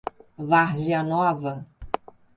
Várzea Nova